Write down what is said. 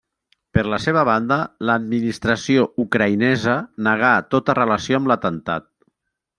Per la seva banda, l'administració ucraïnesa negà tota relació amb l'atemptat.